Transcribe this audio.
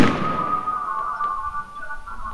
সেটা ঘটেছিল হিমালয় পর্বতে, এটা ঘটল শিলঙ পাহাড়ে।